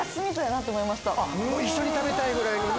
一緒に食べたいぐらいのね。